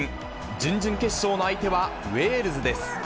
準々決勝の相手はウェールズです。